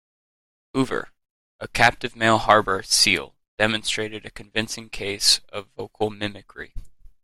"Hoover", a captive male harbor seal demonstrated a convincing case of vocal mimicry.